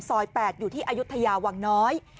๘อยู่ที่อายุทยาวังน้อย